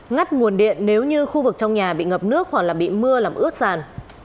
ngắt nguồn điện nếu như khu vực trong nhà bị ngập nước hoặc bị mưa làm ướt sàn